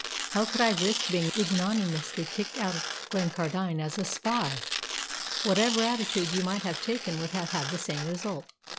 "How could I risk being ignominiously kicked out of Glencardine as a spy?" "Whatever attitude you might have taken would have had the same result.